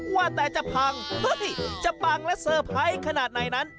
ว่าแต่จะพังเฮ้ยจะปังและเซอร์ไพรส์ขนาดไหนนั้น